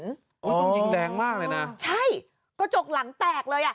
ต้องยิงแรงมากเลยนะใช่กระจกหลังแตกเลยอ่ะ